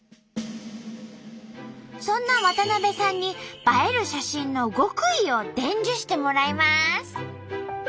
そんな渡部さんに映える写真の極意を伝授してもらいます。